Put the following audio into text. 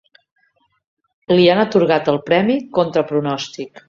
Li han atorgat el premi contra pronòstic.